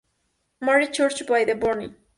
Mary’s church by the bourne".